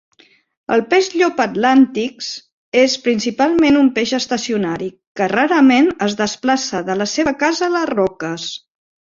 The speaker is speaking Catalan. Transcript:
El peix llop atlàntics és principalment un peix estacionari, que rarament es desplaça de la seva casa a les roques.